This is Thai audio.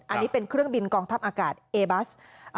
อันนี้เป็นเครื่องบินกองทัพอากาศเอบัส